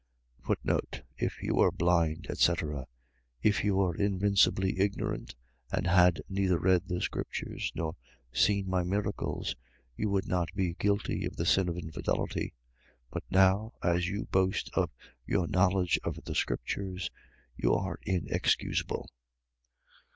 If you were blind, etc. . .If you were invincibly ignorant, and had neither read the scriptures, nor seen my miracles, you would not be guilty of the sin of infidelity: but now, as you boast of your knowledge of the scriptures, you are inexcusable.